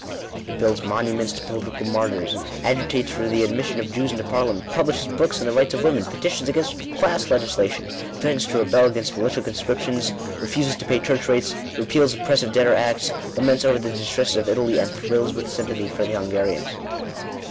It builds monu ments to political martyrs, agitates for the admission of Jews into Parliament, publishes books on the rights of women, petitions against class legislation, threatens to rebel against militia conscriptions, refuses to pay church rates, repeals op pressive debtor acts, laments over the distresses of Italy, and thrills with sympathy for the Hungarians.